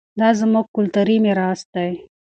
دا زموږ کلتوري ميراث دی.